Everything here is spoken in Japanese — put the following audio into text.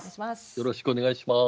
よろしくお願いします。